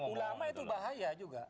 ulama itu bahaya juga